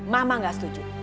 mama gak setuju